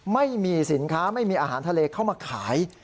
ไม่มีสินค้าไม่มีอาหารทะเลเข้ามาขาย